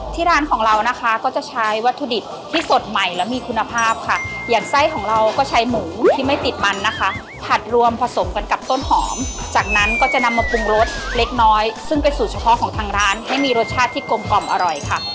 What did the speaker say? ร้านของเรานะคะก็จะใช้วัตถุดิบที่สดใหม่และมีคุณภาพค่ะอย่างไส้ของเราก็ใช้หมูที่ไม่ติดมันนะคะผัดรวมผสมกันกับต้นหอมจากนั้นก็จะนำมาปรุงรสเล็กน้อยซึ่งเป็นสูตรเฉพาะของทางร้านให้มีรสชาติที่กลมกล่อมอร่อยค่ะ